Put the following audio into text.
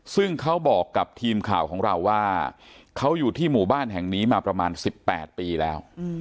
ซึ่งเขาบอกกับทีมข่าวของเราว่าเขาอยู่ที่หมู่บ้านแห่งนี้มาประมาณ๑๘ปีแล้ว